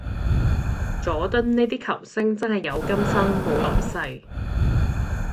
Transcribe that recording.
佐敦呢啲球星真係有今生冇來世